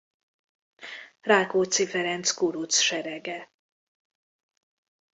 Rákóczi Ferenc kuruc serege.